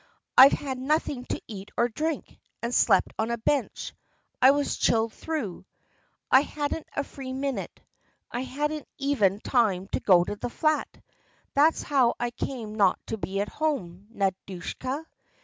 ... I've had nothing to eat or to drink, and slept on a bench, I was chilled through .... I hadn't a free minute. I hadn't even time to go to the flat. That's how I came not to be at home, Nadyusha.